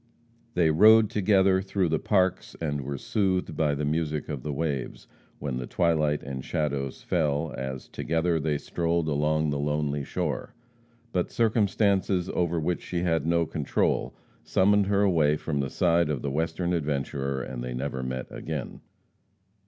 They rode together through the parks, and were soothed by the music of the waves, when the twilight and shadows fell, as together they strolled along the lonely shore. But circumstances over which she had no control summoned her away from the side of the Western adventurer, and they never met again.